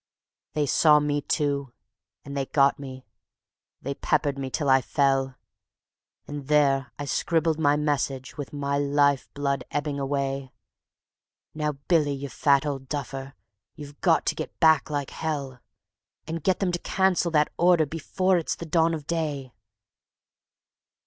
They saw me too, and they got me; they peppered me till I fell; And there I scribbled my message with my life blood ebbing away; "Now, Billy, you fat old duffer, you've got to get back like hell; And get them to cancel that order before it's the dawn of day.